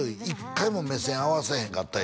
「１回も目線合わせへんかった」